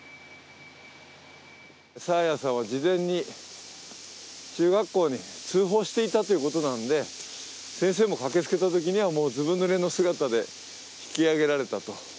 爽彩さんは事前に中学校に通報していたということなんで先生も駆けつけたときには、もうずぶ濡れの姿で引き上げられたと。